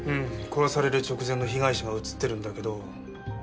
殺される直前の被害者が映ってるんだけど。